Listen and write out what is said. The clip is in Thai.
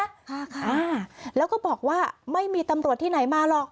ค่ะค่ะอ่าแล้วก็บอกว่าไม่มีตำรวจที่ไหนมาหรอก